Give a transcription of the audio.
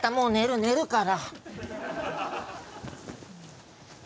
寝るから。